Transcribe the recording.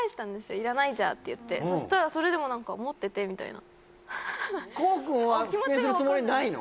「いらないじゃあ」って言ってそしたらそれでも何か「持ってて」みたいなこうくんは復縁するつもりはないの？